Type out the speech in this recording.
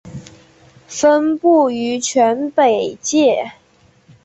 分布于全北界。